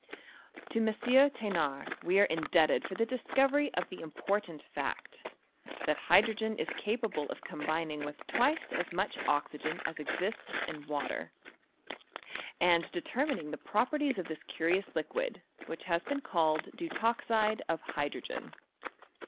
To M. THenard we are indebted for the discovery of the important fact, that hydrogen is capable of combining with twice as much oxygen as exists in water, and determining the properties of this curious liquid which has been called deutoxide of hydrogen.